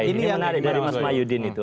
ini yang menarik dari mas mayudin itu